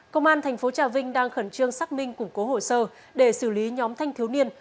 công an thành phố trà vinh đang khẩn trương xác minh củng cố hồ sơ để xử lý nhóm thanh thiếu niên